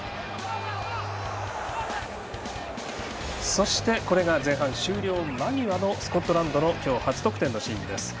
そして、これが前半終了間際のスコットランドの今日、初得点のシーンです。